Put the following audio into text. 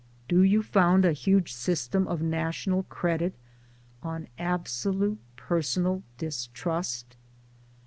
Do you found a huge system of national Credit on absolute personal Distrust